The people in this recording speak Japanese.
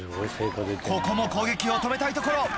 ここも攻撃を止めたいところ。